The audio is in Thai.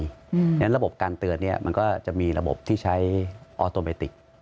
เพราะฉะนั้นระบบการเตือนมันก็จะมีระบบที่ใช้ออโตเมติก